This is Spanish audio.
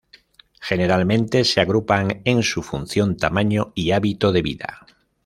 Generalmente se agrupan en su función, tamaño, y hábito de vida.